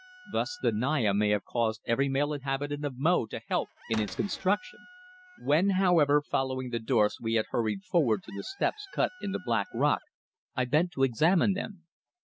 Thus the Naya may have caused every male inhabitant of Mo to help in its construction." When, however, following the dwarfs we had hurried forward to the steps cut in the black rock I bent to examine them.